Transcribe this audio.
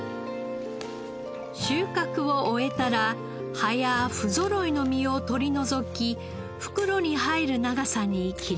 収穫を終えたら葉やふぞろいの実を取り除き袋に入る長さに切りそろえます。